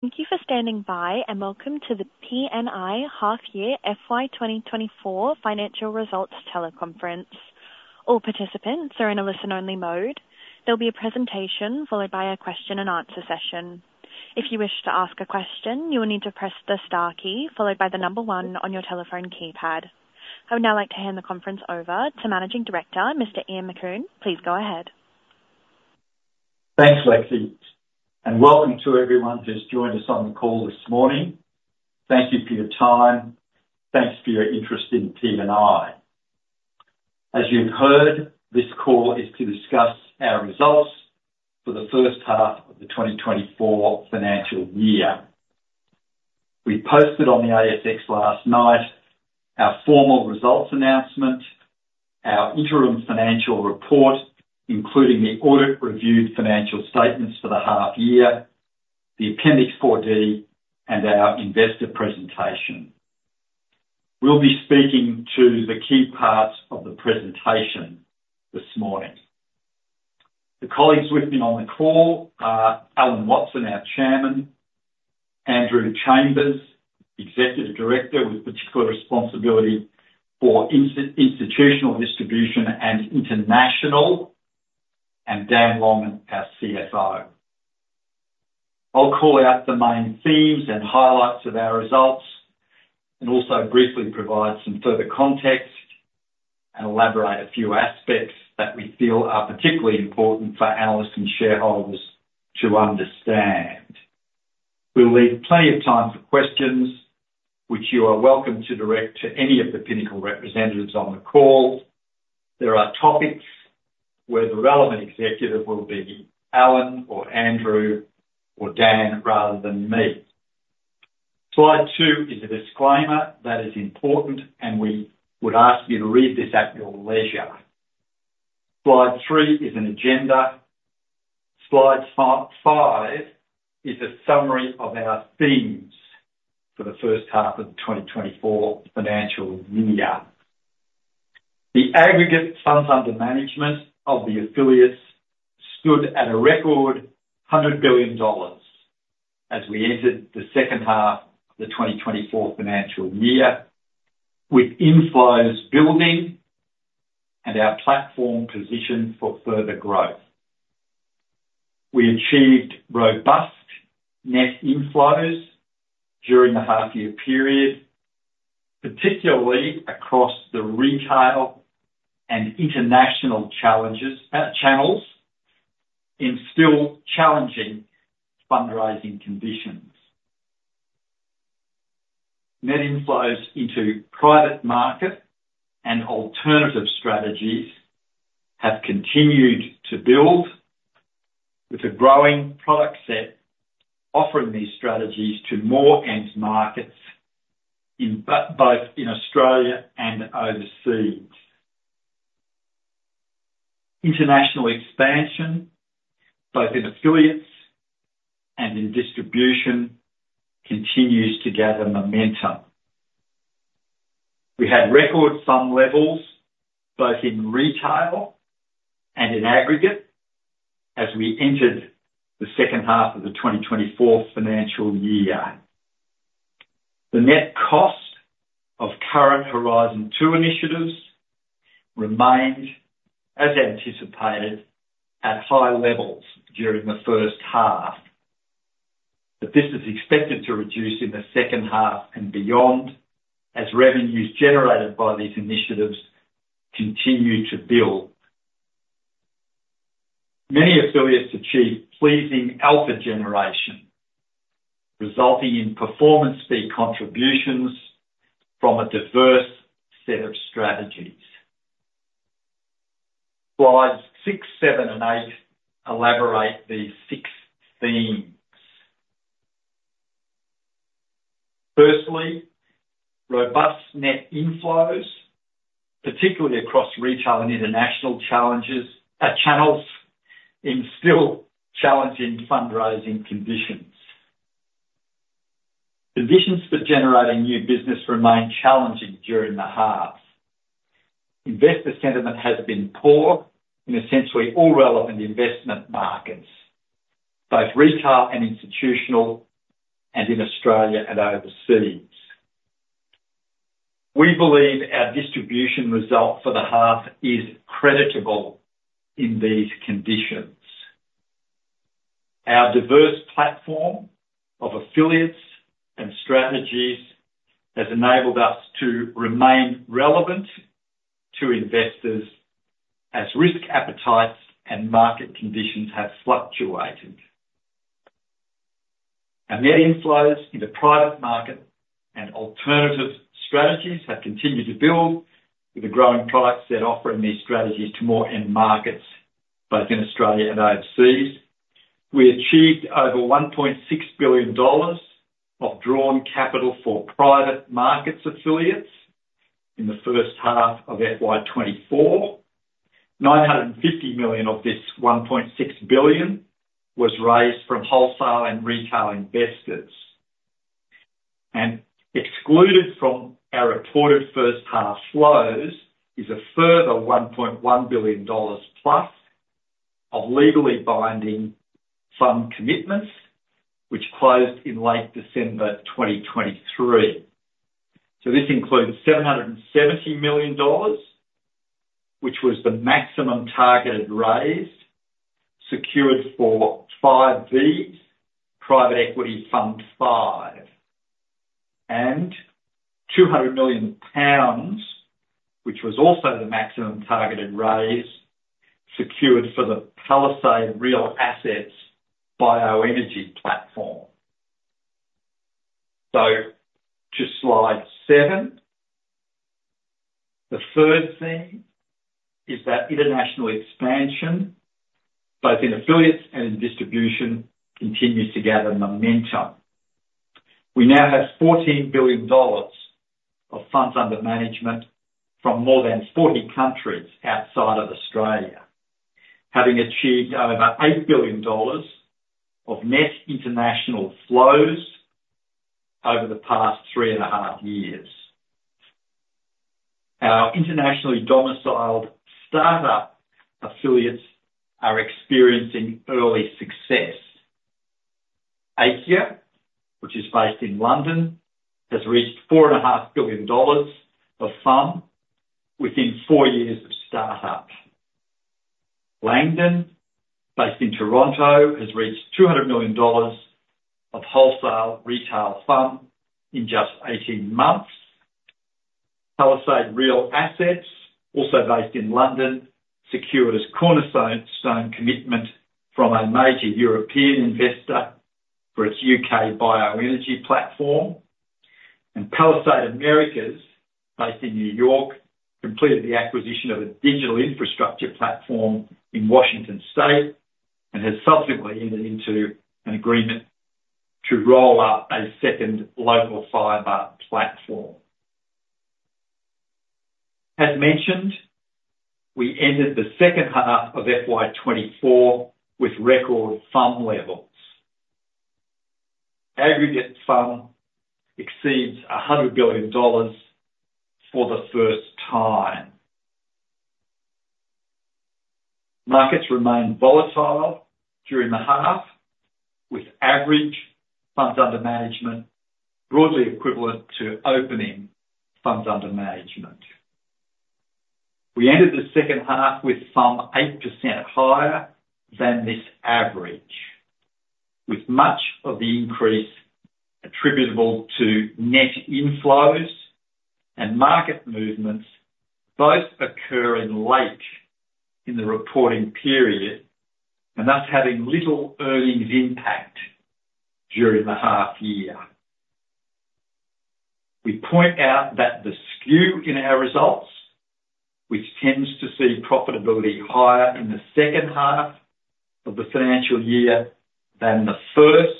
Thank you for standing by, and welcome to the PNI half-year FY 2024 financial results teleconference. All participants are in a listen-only mode. There'll be a presentation, followed by a question and answer session. If you wish to ask a question, you will need to press the star key, followed by the number 1 on your telephone keypad. I would now like to hand the conference over to Managing Director, Mr. Ian Macoun. Please go ahead. Thanks, Lexi, and welcome to everyone who's joined us on the call this morning. Thank you for your time. Thanks for your interest in PNI. As you've heard, this call is to discuss our results for the first half of the 2024 financial year. We posted on the ASX last night our formal results announcement, our interim financial report, including the audit-reviewed financial statements for the half year, the Appendix 4D, and our investor presentation. We'll be speaking to the key parts of the presentation this morning. The colleagues with me on the call are Alan Watson, our Chairman, Andrew Chambers, Executive Director, with particular responsibility for institutional distribution and international, and Dan Longan, our CFO. I'll call out the main themes and highlights of our results, and also briefly provide some further context and elaborate a few aspects that we feel are particularly important for analysts and shareholders to understand. We'll leave plenty of time for questions, which you are welcome to direct to any of the Pinnacle representatives on the call. There are topics where the relevant executive will be Alan or Andrew or Dan, rather than me. Slide two is a disclaimer that is important, and we would ask you to read this at your leisure. Slide three is an agenda. Slide five is a summary of our themes for the first half of the 2024 financial year. The aggregate funds under management of the affiliates stood at a record 100 billion dollars as we entered the second half of the 2024 financial year, with inflows building and our platform positioned for further growth. We achieved robust net inflows during the half year period, particularly across the retail and international channels, in still challenging fundraising conditions. Net inflows into private market and alternative strategies have continued to build, with a growing product set, offering these strategies to more end markets in both in Australia and overseas. International expansion, both in affiliates and in distribution, continues to gather momentum. We had record FUM levels, both in retail and in aggregate, as we entered the second half of the 2024 financial year. The net cost of current Horizon Two initiatives remained, as anticipated, at high levels during the first half, but this is expected to reduce in the second half and beyond as revenues generated by these initiatives continue to build. Many affiliates achieved pleasing alpha generation, resulting in performance fee contributions from a diverse set of strategies. Slides six, seven, and eight elaborate these six themes. Firstly, robust net inflows, particularly across retail and international channels, in still challenging fundraising conditions. Conditions for generating new business remained challenging during the half. Investor sentiment has been poor in essentially all relevant investment markets, both retail and institutional, and in Australia and overseas. We believe our distribution result for the half is creditable in these conditions. Our diverse platform of affiliates and strategies has enabled us to remain relevant to investors as risk appetites and market conditions have fluctuated. Our net inflows in the private market and alternative strategies have continued to build, with a growing product set offering these strategies to more end markets, both in Australia and overseas. We achieved over 1.6 billion dollars of drawn capital for private markets affiliates in the first half of FY 2024. 950 million of this 1.6 billion was raised from wholesale and retail investors... and excluded from our reported first half flows is a further 1.1 billion dollars plus of legally binding fund commitments, which closed in late December 2023. So this includes 770 million dollars, which was the maximum targeted raise secured for Five V private equity Fund 5, and 200 million pounds, which was also the maximum targeted raise secured for the Palisade Real Assets bioenergy platform. So to slide seven. The third thing is that international expansion, both in affiliates and in distribution, continues to gather momentum. We now have 14 billion dollars of funds under management from more than 40 countries outside of Australia, having achieved over 8 billion dollars of net international flows over the past 3.5 years. Our internationally domiciled startup affiliates are experiencing early success. Aikya, which is based in London, has reached 4.5 billion dollars of FUM within 4 years of startup. Langdon, based in Toronto, has reached 200 million dollars of wholesale retail FUM in just 18 months. Palisade Real Assets, also based in London, secured its cornerstone commitment from a major European investor for its UK bioenergy platform, and Palisade Americas, based in New York, completed the acquisition of a digital infrastructure platform in Washington state, and has subsequently entered into an agreement to roll out a second local fiber platform. As mentioned, we ended the second half of FY 2024 with record FUM levels. Aggregate FUM exceeds 100 billion dollars for the first time. Markets remained volatile during the half, with average funds under management broadly equivalent to opening funds under management. We ended the second half with FUM 8% higher than this average, with much of the increase attributable to net inflows and market movements, both occurring late in the reporting period, and thus having little earnings impact during the half year. We point out that the skew in our results, which tends to see profitability higher in the second half of the financial year than the first,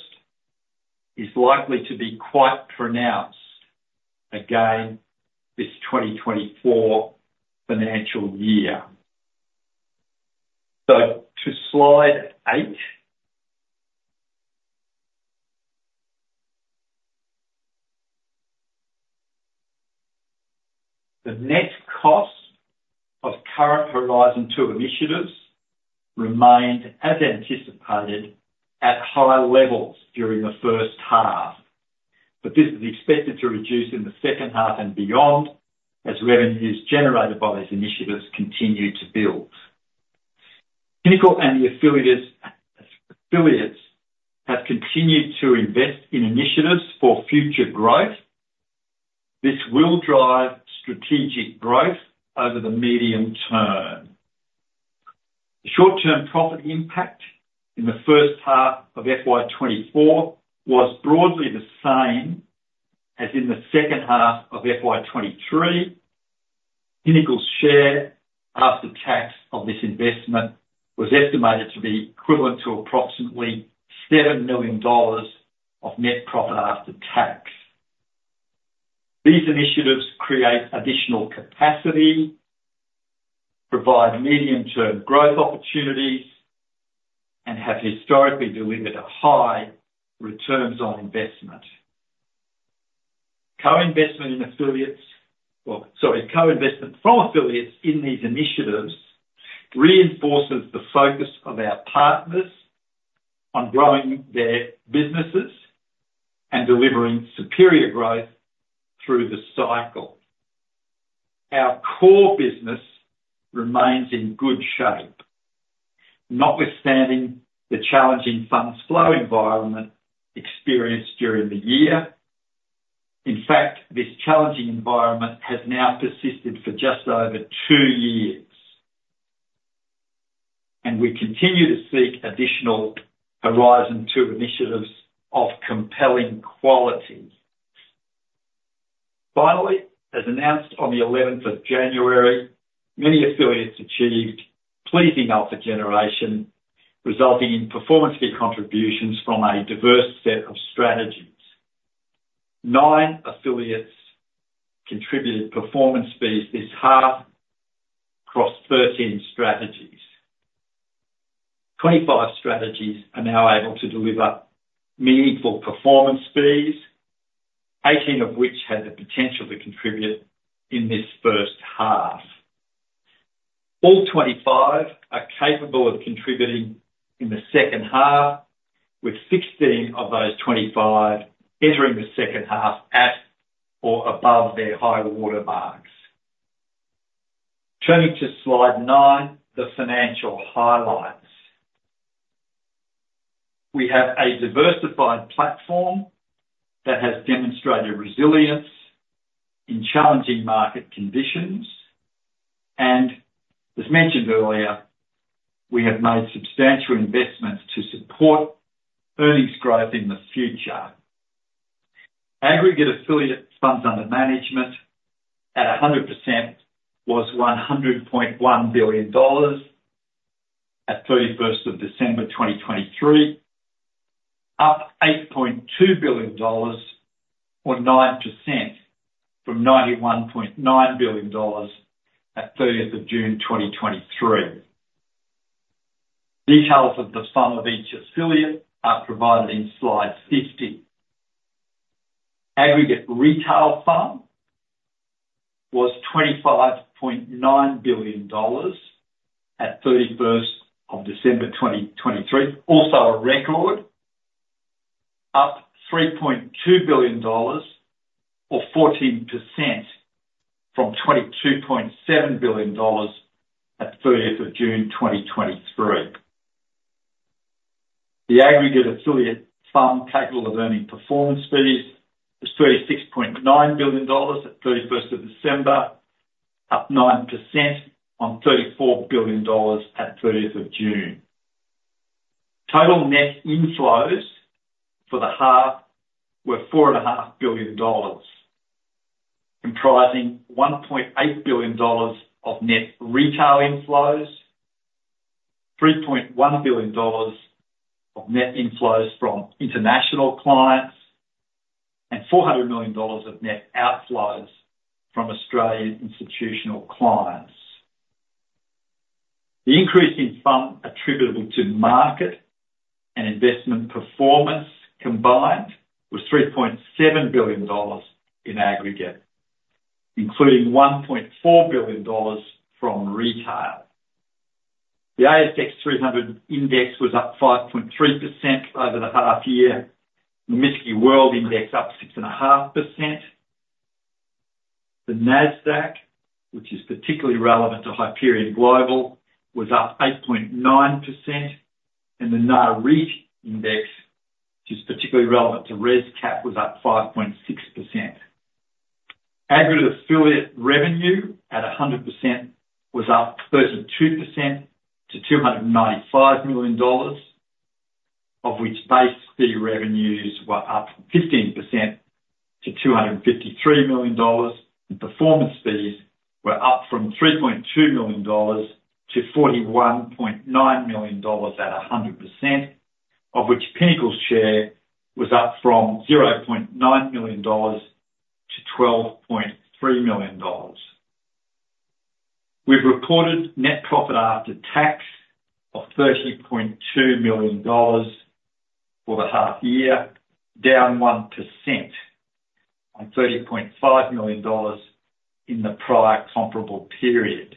is likely to be quite pronounced again, this 2024 financial year. So to slide eight. The net cost of current Horizon Two initiatives remained, as anticipated, at high levels during the first half, but this is expected to reduce in the second half and beyond as revenues generated by these initiatives continue to build. Pinnacle and the affiliates have continued to invest in initiatives for future growth. This will drive strategic growth over the medium term. The short-term profit impact in the first half of FY 2024 was broadly the same as in the second half of FY 2023. Pinnacle's share after tax of this investment was estimated to be equivalent to approximately 7 million dollars of net profit after tax. These initiatives create additional capacity, provide medium-term growth opportunities, and have historically delivered a high returns on investment. Co-investment in affiliates... Well, sorry. Co-investment from affiliates in these initiatives reinforces the focus of our partners on growing their businesses and delivering superior growth through the cycle. Our core business remains in good shape, notwithstanding the challenging funds flow environment experienced during the year. In fact, this challenging environment has now persisted for just over two years. We continue to seek additional Horizon Two initiatives of compelling quality. Finally, as announced on the eleventh of January, many affiliates achieved pleasing alpha generation, resulting in performance fee contributions from a diverse set of strategies. Nine affiliates contributed performance fees this half across 13 strategies.... 25 strategies are now able to deliver meaningful performance fees, 18 of which had the potential to contribute in this first half. All 25 strategies are capable of contributing in the second half, with 16 strategies of those 25 strategies entering the second half at or above their high water marks. Turning to slide nine, the financial highlights. We have a diversified platform that has demonstrated resilience in challenging market conditions, and as mentioned earlier, we have made substantial investments to support earnings growth in the future. Aggregate affiliate funds under management at 100% was 100.1 billion dollars at 31st December 2023, up 8.2 billion dollars or 9% from 91.9 billion dollars at 30th June 2023. Details of the sum of each affiliate are provided in Slide 15. Aggregate retail fund was AUD 25.9 billion at 31st December 2023. Also, a record, up AUD 3.2 billion or 14% from AUD 22.7 billion at 30th June 2023. The aggregate affiliate fund capable of earning performance fees is 36.9 billion dollars at 31st of December, up 9% on 34 billion dollars at 30th of June. Total net inflows for the half were 4.5 billion dollars, comprising 1.8 billion dollars of net retail inflows, 3.1 billion dollars of net inflows from international clients, and 400 million dollars of net outflows from Australian institutional clients. The increase in fund attributable to market and investment performance combined was 3.7 billion dollars in aggregate, including 1.4 billion dollars from retail. The ASX 300 Index was up 5.3% over the half year. The MSCI World Index up 6.5%. The NASDAQ, which is particularly relevant to Hyperion Global, was up 8.9%, and the Nareit index, which is particularly relevant to ResCap, was up 5.6%. Aggregate affiliate revenue at 100% was up 32% to 295 million dollars, of which base fee revenues were up 15% to 253 million dollars, and performance fees were up from 3.2 million-41.9 million dollars at 100%, of which Pinnacle's share was up from 0.9 million dollars to 12.3 million dollars. We've reported net profit after tax of 30.2 million dollars for the half year, down 1% on 30.5 million dollars in the prior comparable period.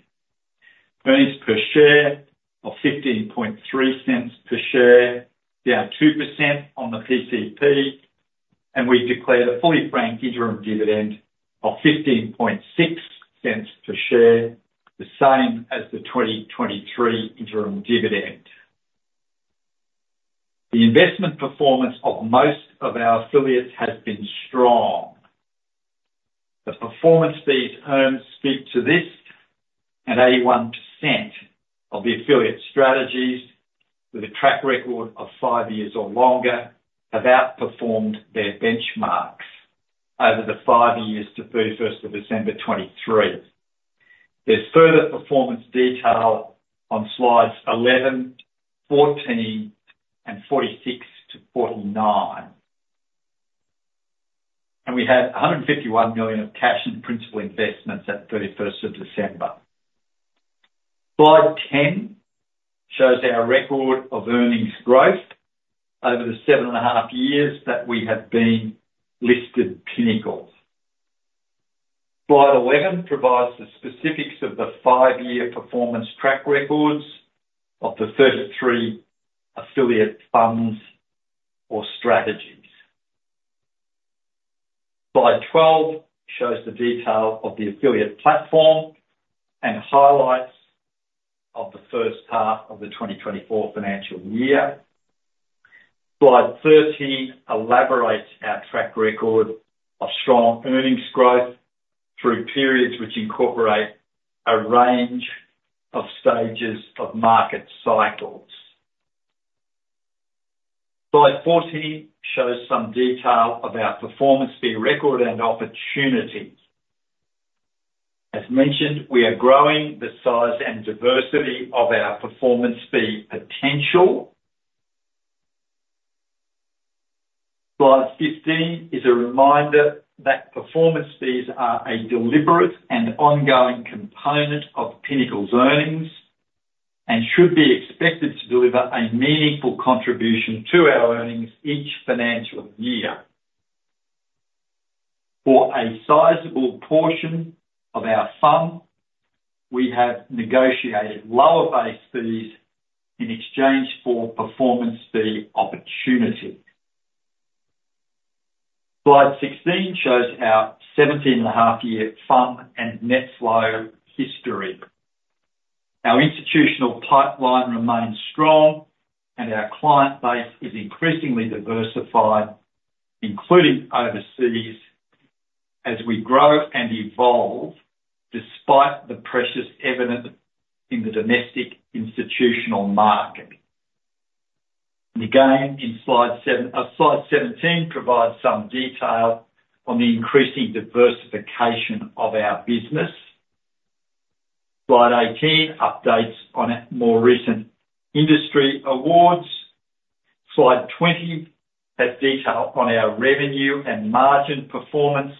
Earnings per share of 0.153 per share, down 2% on the PCP, and we declared a fully franked interim dividend of 0.156 per share, the same as the 2023 interim dividend. The investment performance of most of our affiliates has been strong. The performance fees earned speak to this, and 81% of the affiliate strategies with a track record of five years or longer have outperformed their benchmarks over the five years to 31 December 2023. There's further performance detail on Slides 11, Slide 14, and Slide 46-Slide 49, and we had 151 million of cash and principal investments at 31st December. Slide 10 shows our record of earnings growth over the 7.5 years that we have been listed Pinnacle. Slide 11 provides the specifics of the 5-year performance track records of the 33 affiliate funds or strategies. Slide 12 shows the detail of the affiliate platform and highlights of the first half of the 2024 financial year. Slide 13 elaborates our track record of strong earnings growth through periods which incorporate a range of stages of market cycles. Slide 14 shows some detail of our performance fee record and opportunities. As mentioned, we are growing the size and diversity of our performance fee potential.... Slide 15 is a reminder that performance fees are a deliberate and ongoing component of Pinnacle's earnings, and should be expected to deliver a meaningful contribution to our earnings each financial year. For a sizable portion of our fund, we have negotiated lower base fees in exchange for performance fee opportunity. Slide 16 shows our 17.5-year fund and net flow history. Our institutional pipeline remains strong, and our client base is increasingly diversified, including overseas, as we grow and evolve despite the pressures evident in the domestic institutional market. Again, in slide seven, slide 17 provides some detail on the increasing diversification of our business. Slide 18, updates on more recent industry awards. Slide 20 has detail on our revenue and margin performance,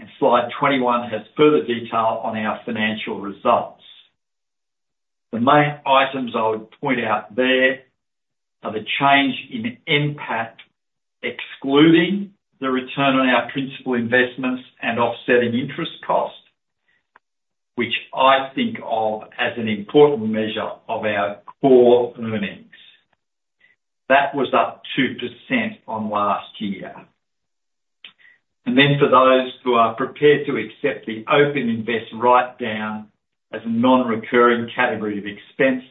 and Slide 21 has further detail on our financial results. The main items I would point out there are the change in NPAT, excluding the return on our principal investments and offsetting interest costs, which I think of as an important measure of our core earnings. That was up 2% on last year. Then for those who are prepared to accept the OpenInvest write-down as a non-recurring category of expense,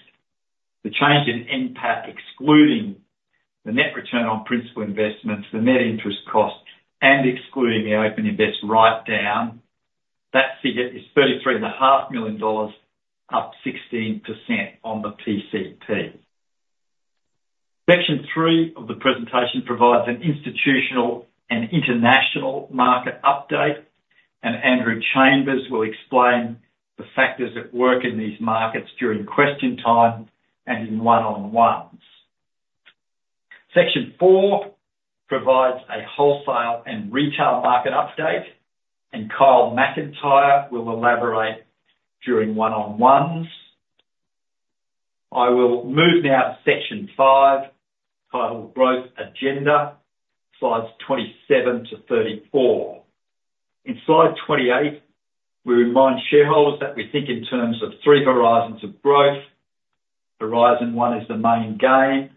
the change in NPAT, excluding the net return on principal investments, the net interest costs, and excluding the OpenInvest write-down, that figure is 33.5 million dollars, up 16% on the PCP. Section three of the presentation provides an institutional and international market update, and Andrew Chambers will explain the factors at work in these markets during question time and in one-on-ones. Section four provides a wholesale and retail market update, and Kyle Macintyre will elaborate during one-on-ones. I will move now to section five, titled Growth Agenda, Slides 27-Slide 34. In Slide 28, we remind shareholders that we think in terms of three horizons of growth. Horizon one is the main game.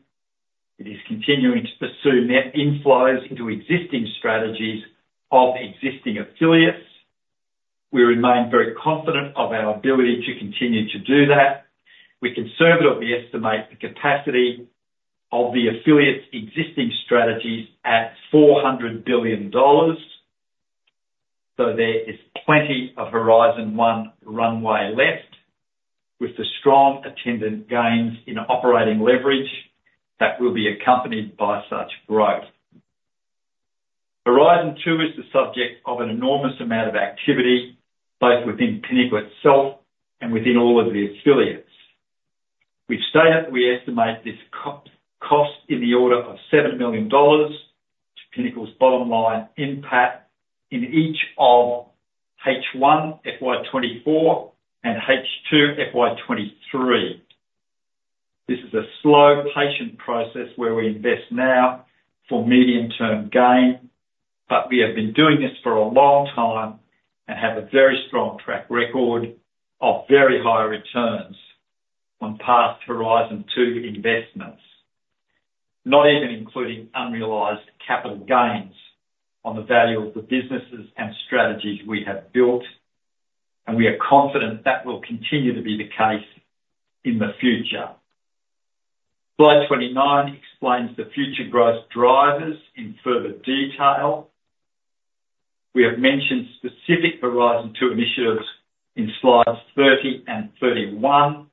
It is continuing to pursue net inflows into existing strategies of existing affiliates. We remain very confident of our ability to continue to do that. We conservatively estimate the capacity of the affiliates' existing strategies at 400 billion dollars, so there is plenty of Horizon One runway left, with the strong attendant gains in operating leverage that will be accompanied by such growth. Horizon Two is the subject of an enormous amount of activity, both within Pinnacle itself and within all of the affiliates. We've stated we estimate this co-cost in the order of 7 million dollars to Pinnacle's bottom line NPAT in each of H1 FY 2024 and H2 FY 2023. This is a slow, patient process where we invest now for medium-term gain, but we have been doing this for a long time and have a very strong track record of very high returns on past Horizon Two investments, not even including unrealized capital gains on the value of the businesses and strategies we have built, and we are confident that will continue to be the case in the future. Slide 29 explains the future growth drivers in further detail. We have mentioned specific Horizon Two initiatives in Slides 30 and 31,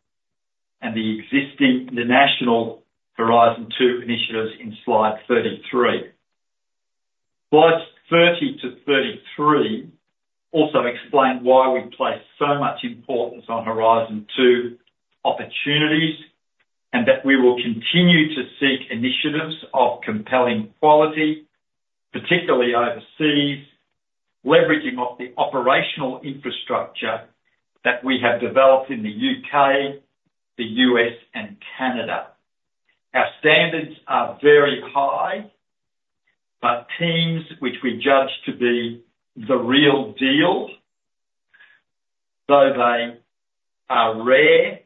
and the existing international Horizon Two initiatives in Slide 33. Slides 30-Slide 33 also explain why we place so much importance on Horizon Two opportunities, and that we will continue to seek initiatives of compelling quality, particularly overseas, leveraging off the operational infrastructure that we have developed in the UK, the US, and Canada. Our standards are very high, but teams which we judge to be the real deal, though they are rare,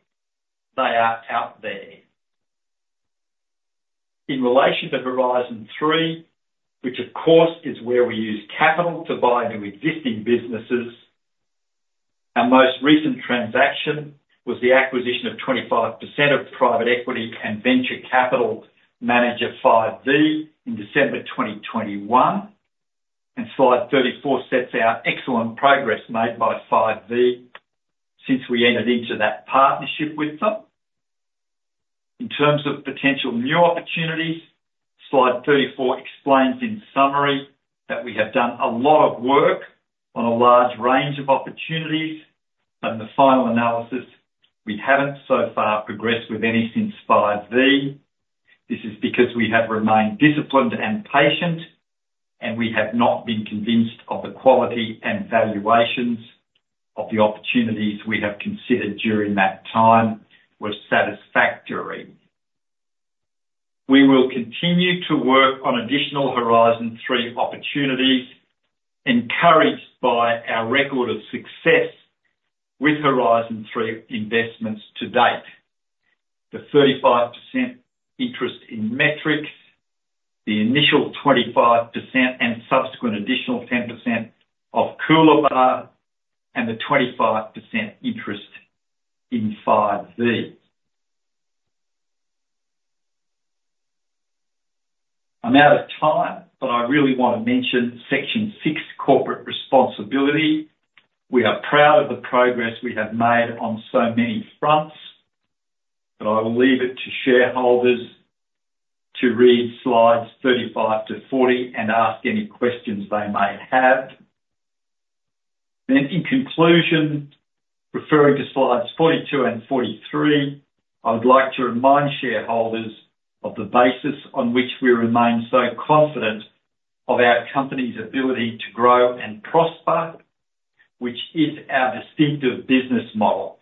they are out there. In relation to Horizon Three, which of course is where we use capital to buy new existing businesses, our most recent transaction was the acquisition of 25% of private equity and venture capital manager FiveV in December 2021, and Slide 34 sets out excellent progress made by FiveV since we entered into that partnership with them. In terms of potential new opportunities, Slide 34 explains, in summary, that we have done a lot of work on a large range of opportunities. But in the final analysis, we haven't so far progressed with anything since FiveV. This is because we have remained disciplined and patient, and we have not been convinced of the quality and valuations of the opportunities we have considered during that time were satisfactory. We will continue to work on additional Horizon Three opportunities, encouraged by our record of success with Horizon Three investments to date. The 35% interest in Metrics, the initial 25% and subsequent additional 10% of Coolabah, and the 25% interest in Five V. I'm out of time, but I really want to mention Section 6, Corporate Responsibility. We are proud of the progress we have made on so many fronts, but I will leave it to shareholders to read Slide 35-Slide 40 and ask any questions they may have. Then in conclusion, referring to Slide 42 and Slide 43, I would like to remind shareholders of the basis on which we remain so confident of our company's ability to grow and prosper, which is our distinctive business model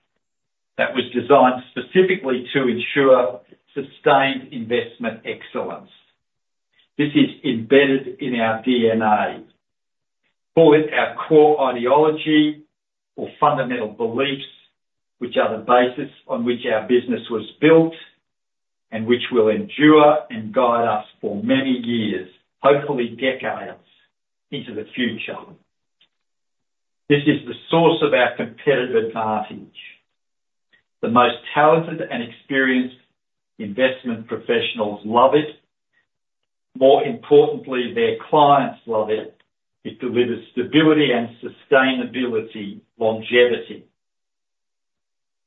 that was designed specifically to ensure sustained investment excellence. This is embedded in our DNA. Call it our core ideology or fundamental beliefs, which are the basis on which our business was built and which will endure and guide us for many years, hopefully decades into the future. This is the source of our competitive advantage. The most talented and experienced investment professionals love it. More importantly, their clients love it. It delivers stability and sustainability, longevity,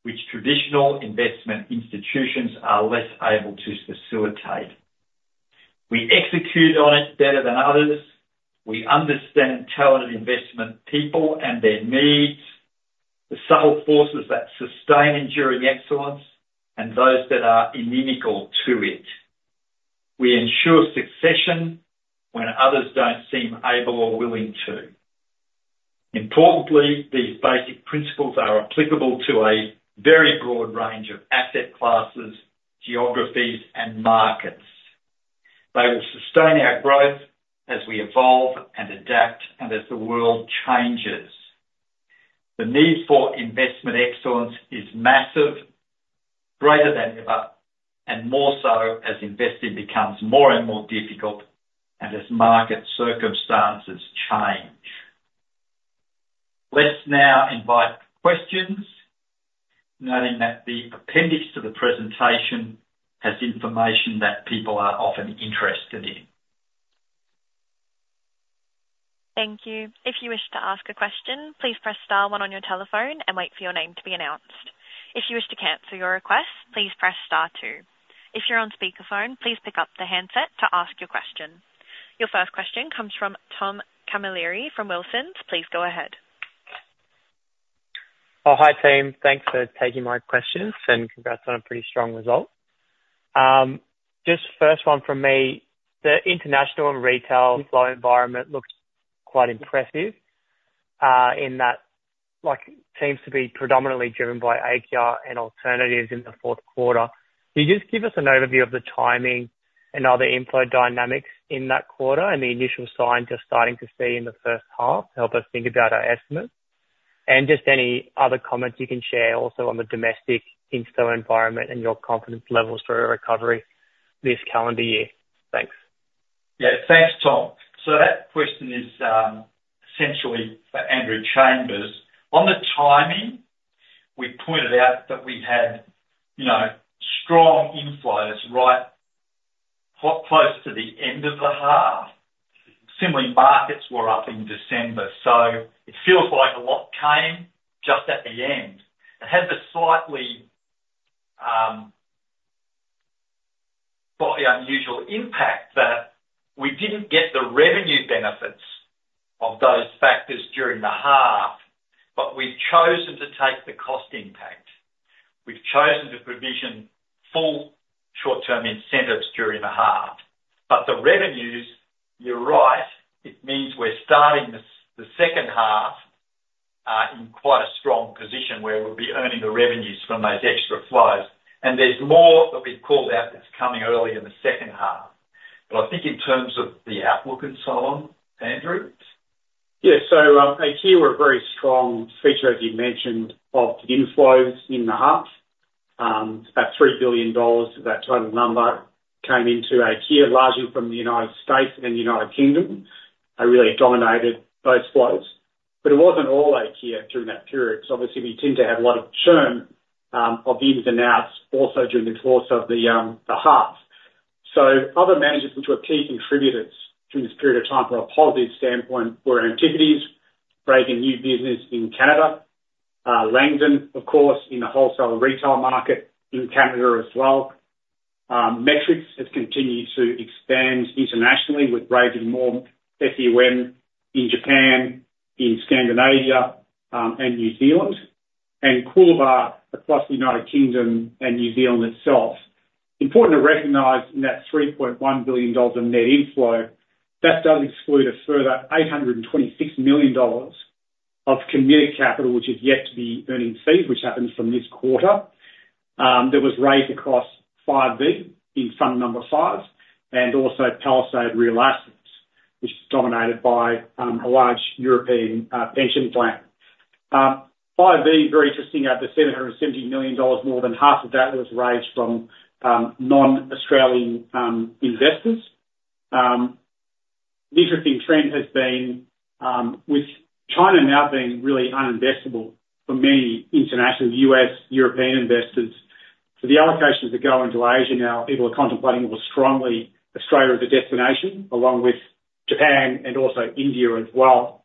which traditional investment institutions are less able to facilitate. We execute on it better than others. We understand talented investment people and their needs, the subtle forces that sustain enduring excellence and those that are inimical to it. We ensure succession when others don't seem able or willing to. Importantly, these basic principles are applicable to a very broad range of asset classes, geographies, and markets. They will sustain our growth as we evolve and adapt and as the world changes. The need for investment excellence is massive, greater than ever, and more so as investing becomes more and more difficult and as market circumstances change. Let's now invite questions, noting that the appendix to the presentation has information that people are often interested in. Thank you. If you wish to ask a question, please press star one on your telephone and wait for your name to be announced. If you wish to cancel your request, please press star two. If you're on speakerphone, please pick up the handset to ask your question. Your first question comes from Tom Camilleri from Wilsons. Please go ahead. Oh, hi, team. Thanks for taking my questions and congrats on a pretty strong result. Just first one from me. The international and retail flow environment looks quite impressive, in that, like, seems to be predominantly driven by AQR and alternatives in the fourth quarter. Can you just give us an overview of the timing and other inflow dynamics in that quarter and the initial signs you're starting to see in the first half to help us think about our estimates? And just any other comments you can share also on the domestic institutional environment and your confidence levels for a recovery this calendar year. Thanks. Yeah. Thanks, Tom. So that question is essentially for Andrew Chambers. On the timing, we pointed out that we had, you know, strong inflows, right, quite close to the end of the half. Similarly, markets were up in December, so it feels like a lot came just at the end. It had the slightly unusual impact that we didn't get the revenue benefits of those factors during the half, but we've chosen to take the cost impact. We've chosen to provision full short-term incentives during the half. But the revenues, you're right, it means we're starting the second half in quite a strong position where we'll be earning the revenues from those extra flows. And there's more that we've called out that's coming early in the second half. But I think in terms of the outlook and so on, Andrew? Yeah. So, AQR were a very strong feature, as you mentioned, of inflows in the half. About $3 billion of that total number came into AQR, largely from the United States and the United Kingdom. They really dominated those flows. But it wasn't all AQR during that period, because obviously we tend to have a lot of churn, of ins and outs also during the course of the, the half. So other managers which were key contributors during this period of time from a positive standpoint were Antipodes, breaking new business in Canada, Langdon, of course, in the wholesale and retail market in Canada as well. Metrics has continued to expand internationally with raising more FUM in Japan, in Scandinavia, and New Zealand, and Coolabah across the United Kingdom and New Zealand itself. Important to recognize in that 3.1 billion dollars of net inflow, that does exclude a further 826 million dollars of committed capital, which is yet to be earning fees, which happens from this quarter. There was raised across Five V in fund number five, and also Palisade Real Assets, which is dominated by, a large European, pension plan. Five V, very interesting. Out of the 770 million dollars, more than half of that was raised from, non-Australian, investors. The interesting trend has been, with China now being really uninvestable for many international U.S., European investors, for the allocations that go into Asia now, people are contemplating more strongly Australia as a destination, along with Japan and also India as well.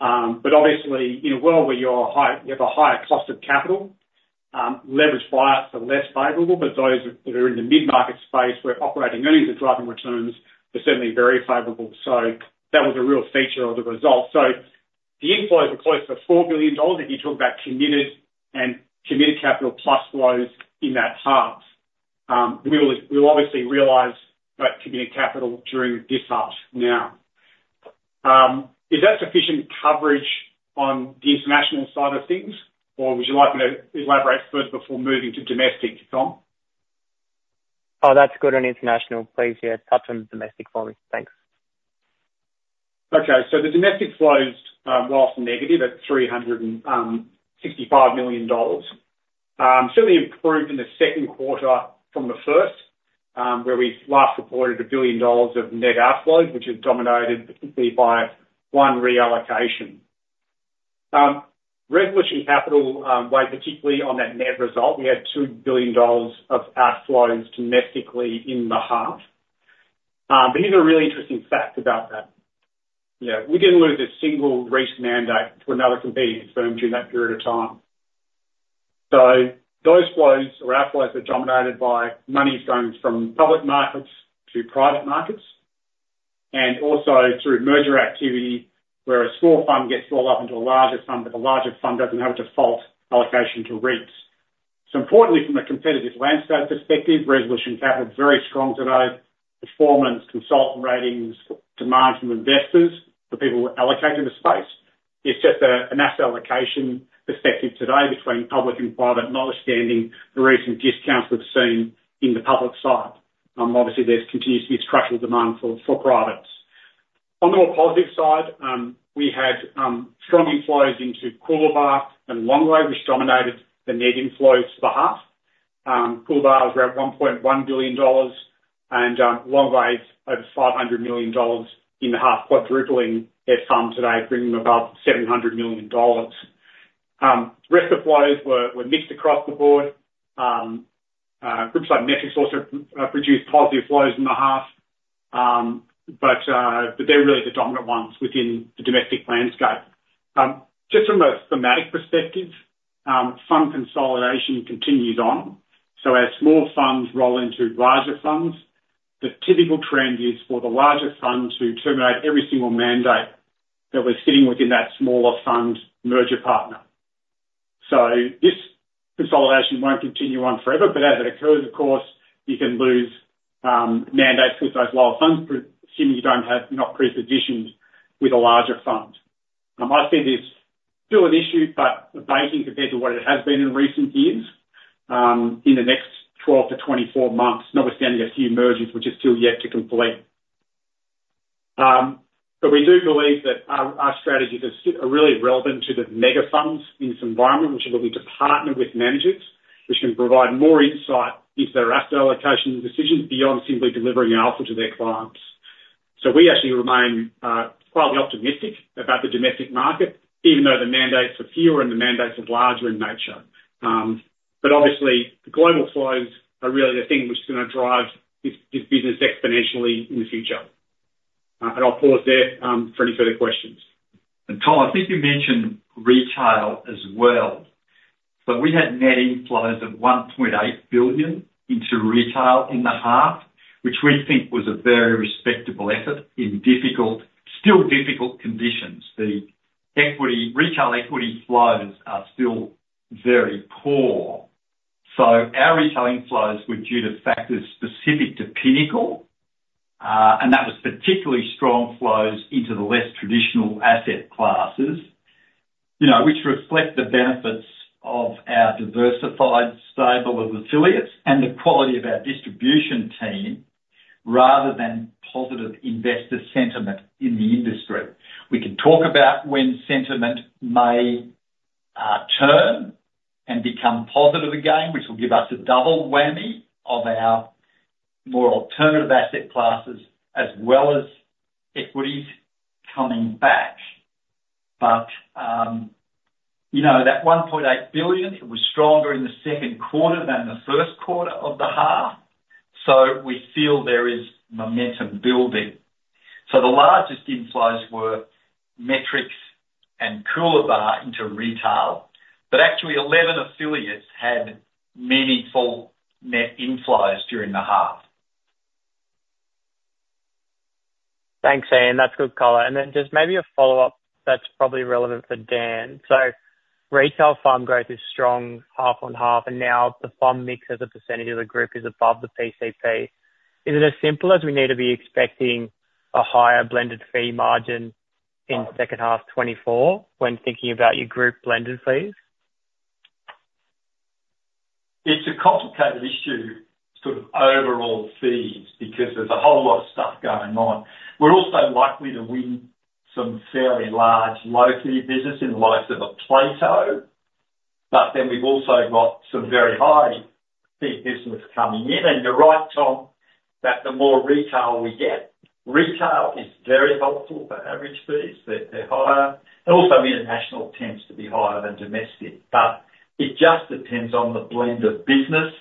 But obviously, in a world where you have a higher cost of capital, leveraged buyers are less favorable, but those that are in the mid-market space, where operating earnings are driving returns, are certainly very favorable. So that was a real feature of the result. So the inflows are close to 4 billion dollars, if you talk about committed capital plus flows in that half. We will obviously realize that committed capital during this half now. Is that sufficient coverage on the international side of things, or would you like me to elaborate first before moving to domestic, Tom? Oh, that's good on international. Please, yeah, touch on domestic for me. Thanks. Okay. So the domestic flows, while negative at 365 million dollars, certainly improved in the second quarter from the first, where we last reported 1 billion dollars of net outflows, which is dominated particularly by one reallocation. Resolution Capital weighed particularly on that net result. We had 2 billion dollars of outflows domestically in the half. But here's a really interesting fact about that. You know, we didn't lose a single REIT mandate to another competing firm during that period of time. So those flows or outflows are dominated by monies going from public markets to private markets, and also through merger activity, where a small fund gets rolled up into a larger fund, but the larger fund doesn't have a default allocation to REITs. So importantly, from a competitive landscape perspective, Resolution Capital is very strong today. Performance, consultant ratings, demand from investors, the people who are allocating the space, it's just a, an asset allocation perspective today between public and private, notwithstanding the recent discounts we've seen in the public side. Obviously, there continues to be structural demand for privates. On the more positive side, we had strong inflows into Coolabah and Longwave, which dominated the net inflows for the half. Coolabah was around 1.1 billion dollars, and Longwave is over 500 million dollars in the half, quadrupling their FUM today, bringing them above 700 million dollars. Rest of flows were mixed across the board. Groups like Metrics also produced positive flows in the half. But they're really the dominant ones within the domestic landscape. Just from a thematic perspective, fund consolidation continued on, so as small funds roll into larger funds, the typical trend is for the larger fund to terminate every single mandate that was sitting within that smaller fund's merger partner. So this consolidation won't continue on forever, but as it occurs, of course, you can lose mandates with those lower funds, assuming you are not prepositioned with a larger fund. I see this still an issue, but fading compared to what it has been in recent years, in the next 12-24 months, notwithstanding a few mergers, which are still yet to complete. But we do believe that our strategies are really relevant to the mega funds in this environment. We should be looking to partner with managers, which can provide more insight into their asset allocation decisions, beyond simply delivering an alpha to their clients. So we actually remain fairly optimistic about the domestic market, even though the mandates are fewer and the mandates are larger in nature. But obviously, the global flows are really the thing which is gonna drive this business exponentially in the future. And I'll pause there for any further questions. Tom, I think you mentioned retail as well, but we had net inflows of 1.8 billion into retail in the half, which we think was a very respectable effort in difficult, still difficult conditions. The equity- retail equity flows are still very poor. So our retail inflows were due to factors specific to Pinnacle, and that was particularly strong flows into the less traditional asset classes, you know, which reflect the benefits of our diversified stable of affiliates and the quality of our distribution team, rather than positive investor sentiment in the industry. We can talk about when sentiment may turn and become positive again, which will give us a double whammy of our more alternative asset classes, as well as equities coming back. But, you know, that 1.8 billion, it was stronger in the second quarter than the first quarter of the half, so we feel there is momentum building. So the largest inflows were Metrics and Coolabah into retail, but actually, 11 affiliates had meaningful net inflows during the half. Thanks, Ian. That's good color. And then just maybe a follow-up that's probably relevant for Dan. So retail FUM growth is strong, half on half, and now the FUM mix as a percentage of the group is above the PCP. Is it as simple as we need to be expecting a higher blended fee margin in second half 2024 when thinking about your group blended fees? It's a complicated issue, sort of overall fees, because there's a whole lot of stuff going on. We're also likely to win some fairly large low-fee business in the likes of a Plato, but then we've also got some very high fee business coming in. And you're right, Tom, that the more retail we get, retail is very helpful for average fees. They, they're higher, and also international tends to be higher than domestic, but it just depends on the blend of business,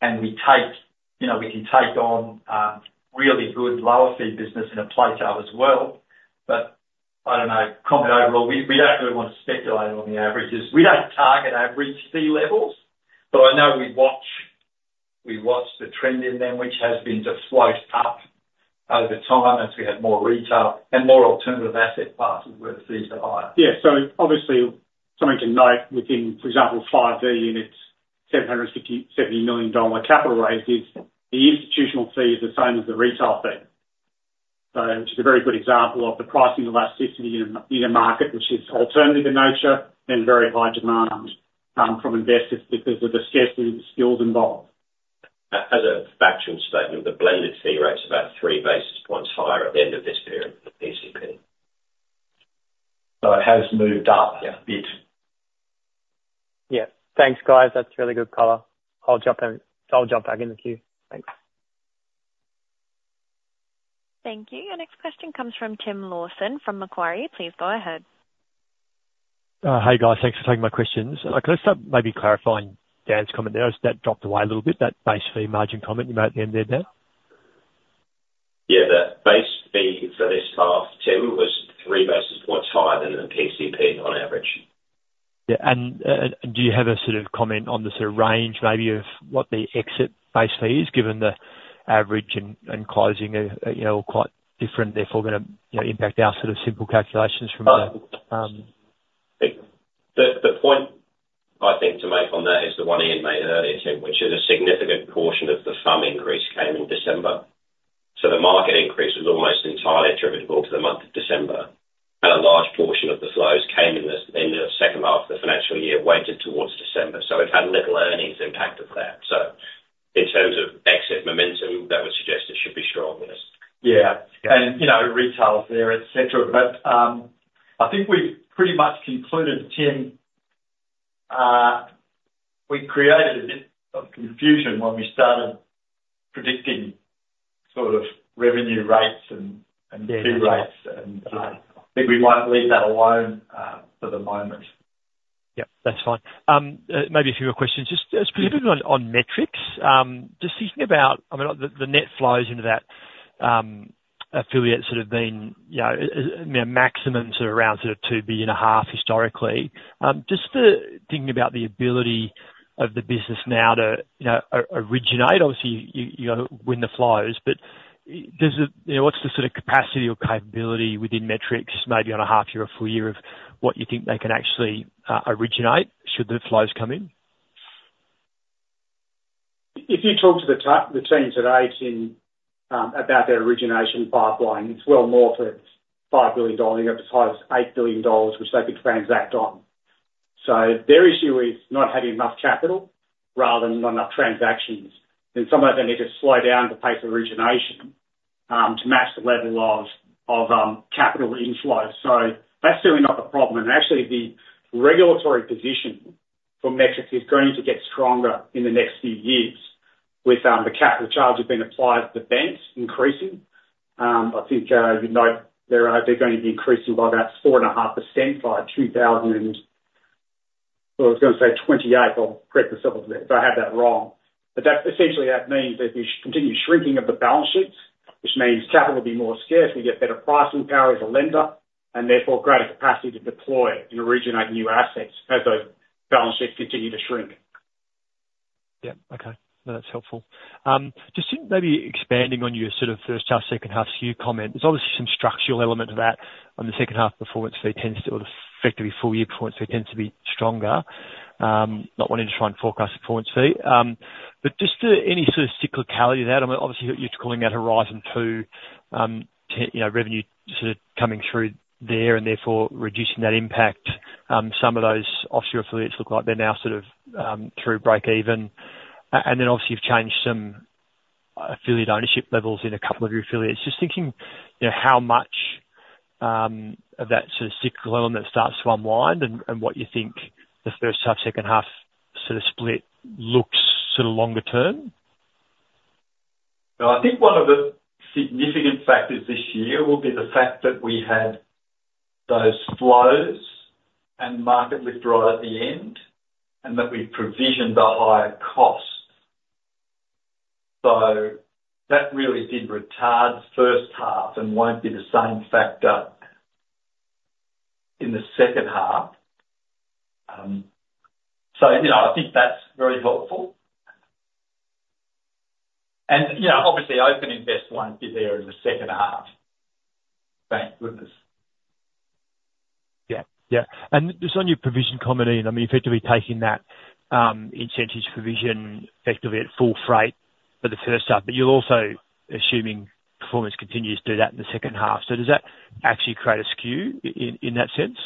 and we take... You know, we can take on, really good lower fee business in a Plato as well. But I don't know. Comment overall, we, we don't really want to speculate on the averages. We don't target average fee levels, but I know we watch the trend in them, which has been just closing up over time as we have more retail and more alternative asset classes where the fees are higher. Yeah. So obviously something to note within, for example, Five V's 750 million dollar capital raise is the institutional fee is the same as the retail fee. So which is a very good example of the pricing elasticity in a market which is alternative in nature and very high demand from investors because of the scarcity of the skills involved. As a factual statement, the blended fee rate is about three basis points higher at the end of this period than PCP. It has moved up a bit. Yeah. Thanks, guys. That's really good color. I'll jump back in the queue. Thanks. Thank you. Our next question comes from Tim Lawson from Macquarie. Please go ahead. Hi, guys. Thanks for taking my questions. Can I start maybe clarifying Dan's comment there, as that dropped away a little bit, that base fee margin comment you made at the end there, Dan? Yeah, the base fee for this half, Tim, was 3 basis points higher than the PCP on average. Yeah, and do you have a sort of comment on the sort of range, maybe of what the exit base fee is, given the average and closing are, you know, quite different, therefore going to, you know, impact our sort of simple calculations from that? The point I think to make on that is the one Ian made earlier, Tim, which is a significant portion of the FUM increase came in December. So the market increase was almost entirely attributable to the month of December, and a large portion of the flows came in the second half of the financial year, weighted towards December. So we've had little earnings impact of that. So in terms of exit momentum, that would suggest it should be strong this. Yeah. Yeah. You know, retail is there, et cetera. But, I think we've pretty much concluded, Tim, we created a bit of confusion when we started predicting sort of revenue rates and fee rates- Yeah. I think we might leave that alone for the moment. Yep, that's fine. Maybe a few more questions. Just on Metrics, just thinking about, I mean, the net flows into that affiliate sort of been, you know, I mean, maximum sort of around 2.5 billion historically. Just thinking about the ability of the business now to, you know, originate. Obviously, you know, win the flows, but there's a... You know, what's the sort of capacity or capability within Metrics, maybe on a half year or full year, of what you think they can actually originate should the flows come in? If you talk to the top teams today, Tim, about their origination pipeline, it's well more than 5 billion dollars, up to as high as 8 billion dollars, which they could transact on. So their issue is not having enough capital rather than not enough transactions. And some of them, they need to slow down the pace of origination, to match the level of capital inflows. So that's certainly not the problem. And actually, the regulatory position for Metrics is going to get stronger in the next few years with the capital charges being applied to banks increasing. I think you'd note they're going to be increasing by about 4.5% by 2028. Well, I was gonna say twenty-eight, I'll correct myself if I have that wrong. But that essentially, that means that we continue shrinking of the balance sheets, which means capital will be more scarce. We get better pricing power as a lender, and therefore greater capacity to deploy and originate new assets as those balance sheets continue to shrink. Yeah. Okay, that's helpful. Just maybe expanding on your sort of first half, second half skew comment, there's obviously some structural element to that on the second half performance fee tends to, or effectively full year performance fee tends to be stronger. Not wanting to try and forecast the performance fee. But just, any sort of cyclicality of that? I mean, obviously, you're calling that Horizon Two, you know, revenue sort of coming through there and therefore reducing that impact. Some of those offshore affiliates look like they're now sort of through break even. And then obviously, you've changed some affiliate ownership levels in a couple of your affiliates. Just thinking, you know, how much of that sort of cyclical element starts to unwind and, and what you think the first half, second half sort of split looks sort of longer term? Well, I think one of the significant factors this year will be the fact that we had those flows and market withdrawal at the end, and that we've provisioned a higher cost. So that really did retard the first half and won't be the same factor in the second half. So, you know, I think that's very helpful. And, yeah, obviously, OpenInvest won't be there in the second half, thank goodness. Yeah. Yeah, and just on your provision comment, I mean, you've had to be taking that, incentives provision effectively at full freight for the first half, but you're also assuming performance continues through that in the second half. So does that actually create a skew in that sense?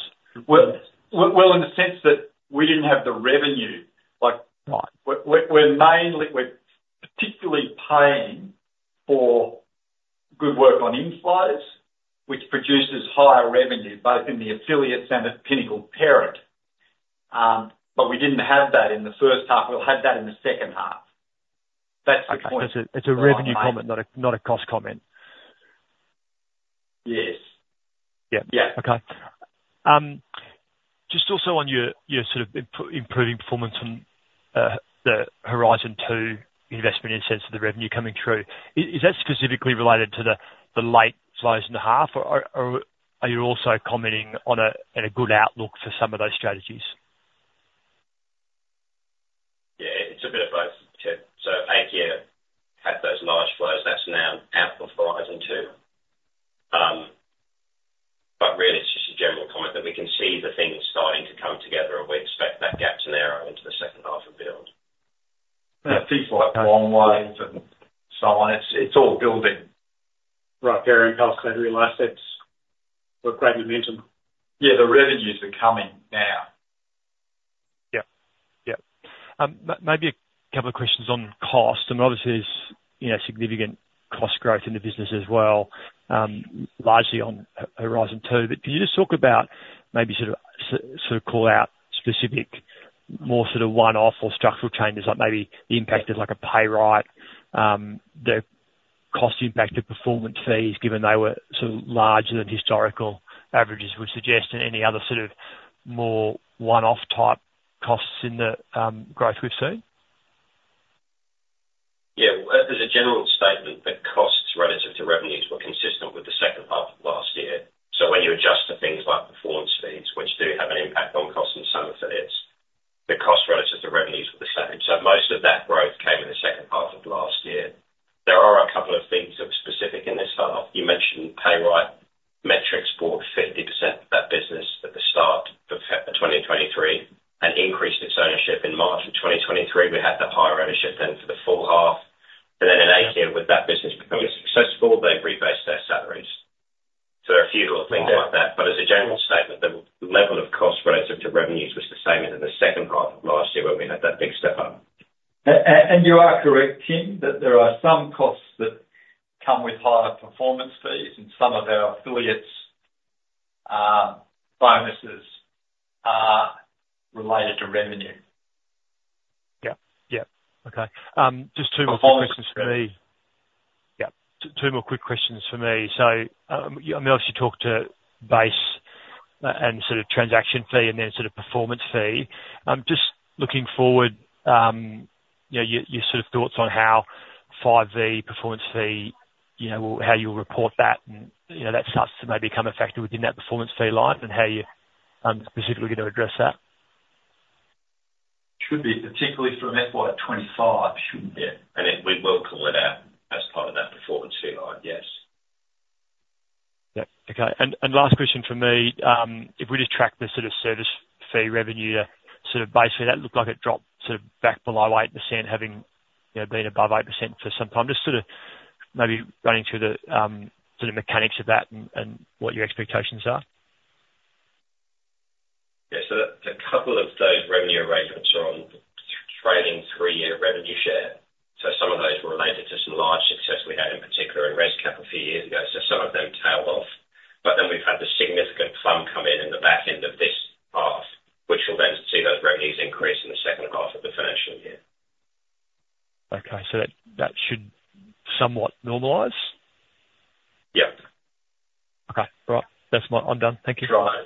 Well, well, well, in the sense that we didn't have the revenue. Like- Right. We're mainly, we're particularly paying for good work on inflows, which produces higher revenue, both in the affiliates and at Pinnacle Parent. But we didn't have that in the first half. We'll have that in the second half. That's the point. It's a revenue comment, not a cost comment. Yes. Yeah. Yeah. Okay. Just also on your sort of improving performance on the Horizon 2 investment in the sense of the revenue coming through. Is that specifically related to the late flows in the half, or are you also commenting on a good outlook for some of those strategies? Yeah, it's a bit of both, Tim. So Aikya had those large flows that's now out of Horizon 2. But really, it's just a general comment that we can see the things starting to come together, and we expect that gap to narrow into the second half of the build. It seems like Longwave and so on. It's all building. Right there in-house, I realize that's great momentum. Yeah, the revenues are coming now. Yep. Yep. Maybe a couple of questions on cost, and obviously there's, you know, significant cost growth in the business as well, largely on Horizon 2. But can you just talk about maybe sort of, sort of call out specific, more sort of one-off or structural changes, like maybe the impact of like a pay rise, the cost impact of performance fees, given they were sort of larger than historical averages would suggest, and any other sort of more one-off type costs in the, growth we've seen? Yeah. Well, as a general statement, the costs relative to revenues were consistent with the second half of last year. So when you adjust to things like performance fees, which do have an impact on cost and some affiliates, the cost relative to revenues were the same. So most of that growth came in the second half of last year. There are a couple of things that were specific in this half. You mentioned Payright. Metrics bought 50% of that business at the start of February 2023, and increased its ownership in March 2023. We had the higher ownership then for the full half, and then in Aikya, with that business becoming successful, they rebased their salaries. There are a few little things like that, but as a general statement, the level of cost relative to revenues was the same as in the second half of last year when we had that big step up. And you are correct, Tim, that there are some costs that come with higher performance fees, and some of our affiliates, bonuses are related to revenue. Yeah. Yeah. Okay, just two more questions for me. Yeah. Two more quick questions for me. So, you obviously talked to base, and sort of transaction fee and then sort of performance fee. Just looking forward, you know, your, your sort of thoughts on how Five V performance fee, you know, how you'll report that and, you know, that starts to maybe become a factor within that performance fee line, and how you, specifically going to address that? Should be, particularly from FY 2025, shouldn't it? Yeah, and we will call it out as part of that performance fee line. Yes. Yeah. Okay, and last question from me. If we just track the sort of service fee revenue to sort of basically that looked like it dropped to back below 8%, having, you know, been above 8% for some time. Just sort of maybe running through the sort of mechanics of that and what your expectations are. Yeah. So a couple of those revenue arrangements are on trailing three-year revenue share, so some of them tailed off, but then we've had the significant plum come in in the back end of this half, which will then see those revenues increase in the second half of the financial year. Okay, so that should somewhat normalize? Yeah. Okay, all right. I'm done. Thank you. Right.